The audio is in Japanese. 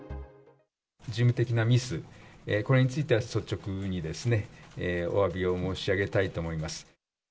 事務的なミス、これについては率直におわびを申し上げたいと思います。